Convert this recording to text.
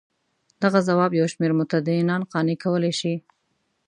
دغه ځواب یو شمېر متدینان قانع کولای شي.